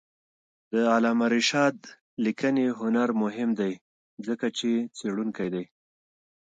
د علامه رشاد لیکنی هنر مهم دی ځکه چې څېړونکی دی.